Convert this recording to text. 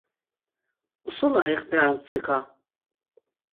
Usula iqvi armtsika.